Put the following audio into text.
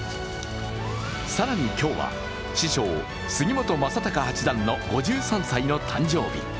更に、今日は師匠、杉本昌隆八段の５３歳の誕生日。